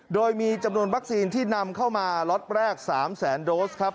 โดยมีจำนวนวัคซีนที่นำเข้ามาล็อตแรก๓แสนโดสครับ